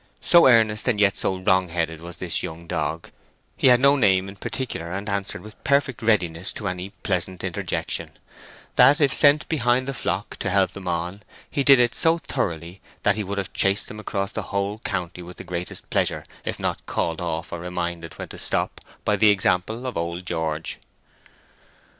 So earnest and yet so wrong headed was this young dog (he had no name in particular, and answered with perfect readiness to any pleasant interjection), that if sent behind the flock to help them on, he did it so thoroughly that he would have chased them across the whole county with the greatest pleasure if not called off or reminded when to stop by the example of old George.